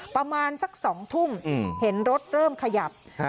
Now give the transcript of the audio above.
ประมาณสัก๒ทุ่มเห็นรถเริ่มขยับ